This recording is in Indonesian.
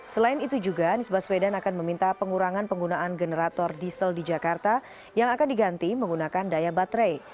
selain itu juga anies baswedan akan meminta pengurangan penggunaan generator diesel di jakarta yang akan diganti menggunakan daya baterai